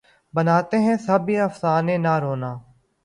بناتے ہیں سب ہی افسانے نہ رونا